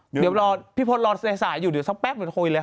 เดี๋ยวพี่พลดรอในสายอยู่เดี๋ยวสักแป๊บหน่อยจะคุยเลยค่ะ